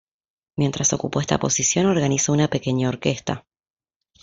Mientras ocupó esta posición, organizó una pequeña orquesta.